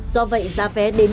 do vậy giá vé đến